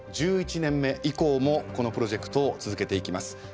１１年目以降もこのプロジェクトを続けていきます。